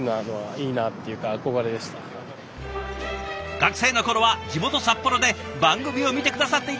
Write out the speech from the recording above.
学生の頃は地元札幌で番組を見て下さっていたそうです。